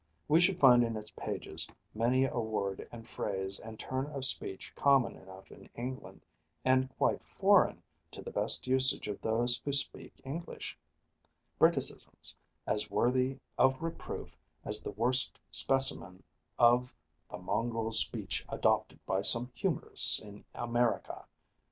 We should find in its pages many a word and phrase and turn of speech common enough in England and quite foreign to the best usage of those who speak English Briticisms as worthy of reproof as the worst specimen of "the mongrel speech adopted by some humorists in America."